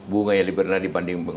bunga yang lebih benar dibandingkan